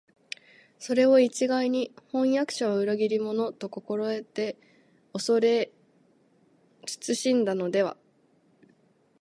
それを一概に「飜訳者は裏切り者」と心得て畏れ謹しんだのでは、